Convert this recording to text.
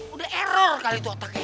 udah error kali itu otaknya